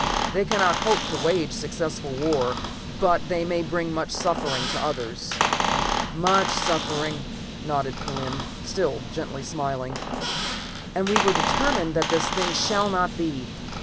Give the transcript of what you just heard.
"They cannot hope to wage successful war, but they may bring much suffering to others." "Much suffering," nodded Kellen, still gently smiling. "And we are determined that this thing shall not be.